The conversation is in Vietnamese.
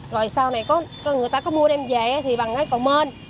rồi sau này người ta có mua đem về thì bằng cầu mên